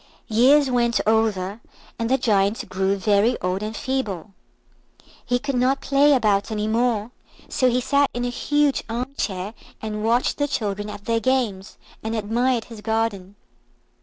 Years went over, and the Giant grew very old and feeble. He could not play about any more, so he sat in a huge armchair, and watched the children at their games, and admired his garden.